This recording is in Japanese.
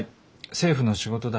政府の仕事だ。